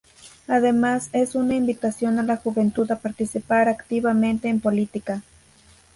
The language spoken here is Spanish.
Además es una invitación a la juventud a participar activamente en política.